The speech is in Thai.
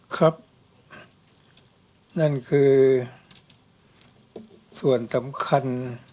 ครับนั่นคือส่วนสำคัญ